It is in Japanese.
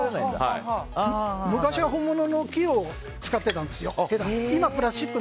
昔は本物の木を使ってたんですよ。